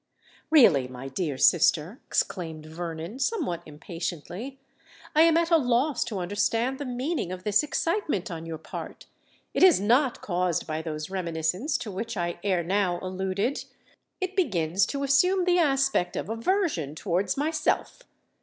"Really, my dear sister," exclaimed Vernon, somewhat impatiently; "I am at a loss to understand the meaning of this excitement on your part. It is not caused by those reminiscences to which I ere now alluded: it begins to assume the aspect of aversion towards myself.